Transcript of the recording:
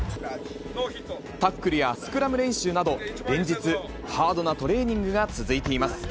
タックルやスクラム練習など、連日、ハードなトレーニングが続いています。